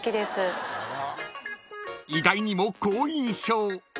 意外にも好印象。